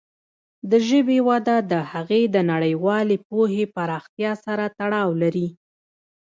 د ژبې وده د هغې د نړیوالې پوهې پراختیا سره تړاو لري.